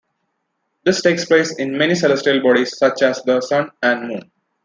This takes place in many celestial bodies such as the Sun and Moon.